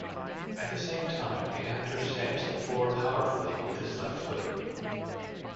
At the same time, the actor stamps the floor powerfully with his left foot.